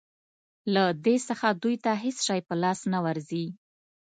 له دې څخه دوی ته هېڅ شی په لاس نه ورځي.